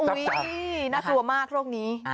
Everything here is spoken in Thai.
น่ากลัวมากโรคนี้